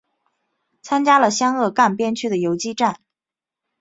参加了湘鄂赣边区的游击战。